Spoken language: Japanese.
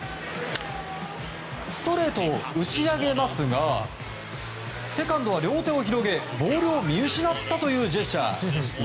ストレートを打ち上げますがセカンドは両手を広げボールを見失ったというジェスチャー。